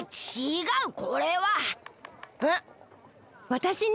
わたしに？